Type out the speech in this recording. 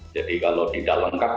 jadi kalau tidak lengkap